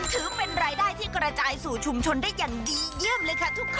ถือเป็นรายได้ที่กระจายสู่ชุมชนได้อย่างดีเยี่ยมเลยค่ะทุกข้อ